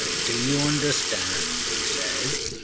Do you understand?â he says.